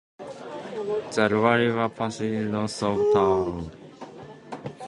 The Iowa River passes north of town.